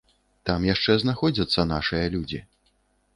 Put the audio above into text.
Там яшчэ знаходзяцца нашыя людзі.